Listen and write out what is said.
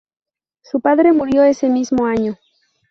Su padre murió ese mismo año.